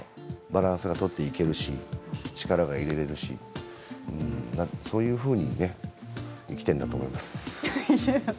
バランスが取っていけるし力が入れられるしそういうふうに生きているんだと思います。